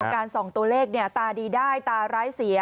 การส่องตัวเลขตาดีได้ตาร้ายเสีย